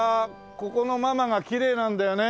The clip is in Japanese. ここのママがきれいなんだよね。